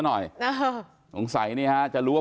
นะค่ะจะว่าผมรู้ว่าอยู่ด้วย